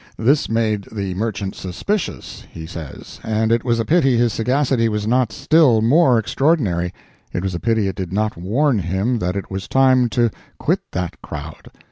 This made the merchant suspicious—he says and it was a pity his sagacity was not still more extraordinary—it was a pity it did not warn him that it was time to quit that crowd.